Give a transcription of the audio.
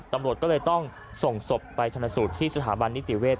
ตำรวจก็เลยต้องส่งศพไปชนสูตรที่สถาบันนิติเวศ